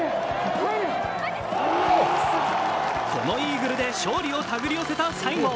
このイーグルで勝利を手繰り寄せた西郷。